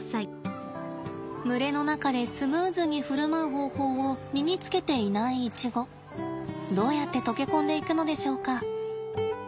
群れの中でスムーズに振る舞う方法を身につけていないイチゴどうやって溶け込んでいくのでしょうか。